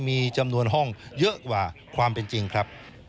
มีจำนวนห้องเยอะกว่าความเป็นจริงครับ